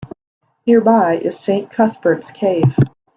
Nearby is Saint Cuthbert's Cave.